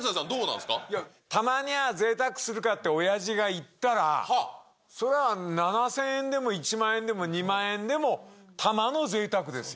たまにはぜいたくするかっておやじが言ったら、それは７０００円でも１万円でも２万円でも、たまのぜいたくですよ。